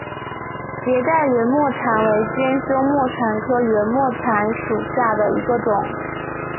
斜带圆沫蝉为尖胸沫蝉科圆沫蝉属下的一个种。